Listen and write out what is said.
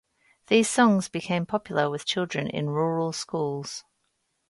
These songs became popular with children in rural schools.